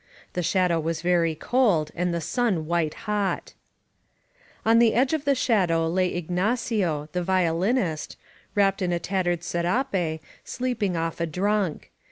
The shadow was very cold, and the sun white hot. On the edge of the shadow lay Ignacio, the violinist, 289 INSURGENT MEXICO wrapped in a tattered serape, sleeping off a drunk.